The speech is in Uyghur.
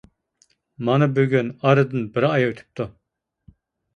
مانا بۈگۈن ئارىدىن بىر ئاي ئۆتۈپتۇ.